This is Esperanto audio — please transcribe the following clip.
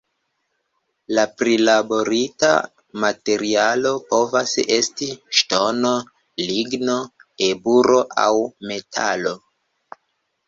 La prilaborita materialo povas esti ŝtono, ligno, eburo aŭ metalo.